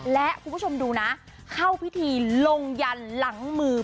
และคุณผู้ชมดูนะเข้าพิธีลงยันหลังมือ